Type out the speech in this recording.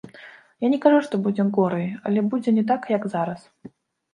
Я не кажу, што будзе горай, але будзе не так, як зараз.